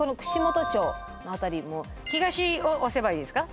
東を押せばいいですか？